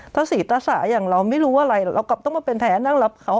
ถ้าศรีตสาอย่างเราไม่รู้อะไรเรากลับต้องมาเป็นแท้นั่งรับเขา